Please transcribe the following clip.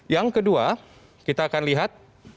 yang kedua kita akan lihat